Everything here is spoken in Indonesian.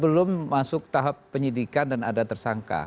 sebelum masuk tahap penyidikan dan ada tersebut